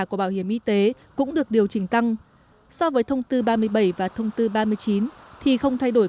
của bảo hiểm y tế cũng được điều chỉnh tăng so với thông tư ba mươi bảy và thông tư ba mươi chín thì không thay đổi